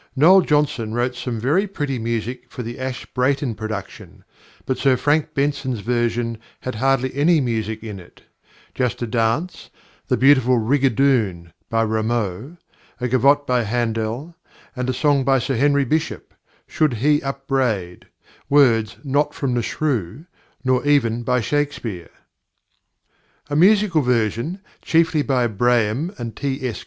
+Noel Johnson+ wrote some very pretty music for the Asche Brayton production; but Sir Frank Benson's version had hardly any music in it: just a dance (the beautiful Rigadoon, by Rameau), a gavotte by Handel, and a song by Sir Henry Bishop, "Should he upbraid" words not from the Shrew, nor even by Shakespeare. A musical version, chiefly by +Braham+ and +T. S.